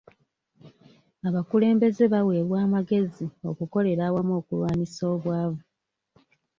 Abakulembeze baweebwa amagezi okukolera awamu okulwanyisa obwavu.